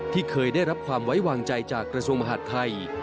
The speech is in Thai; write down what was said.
ที่เคยได้รับความไว้วางใจจากกระทรวงมหาดไทย